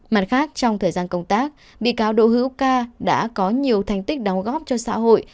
mặt khác trong thời gian công tác bị cáo đỗ hữu ca đã có nhiều thành tích đóng góp cho xã hội